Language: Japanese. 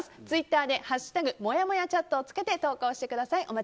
ツイッターで「＃もやもやチャット」をつけて投稿してください。